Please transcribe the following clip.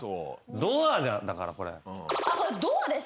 ドアだからこれ。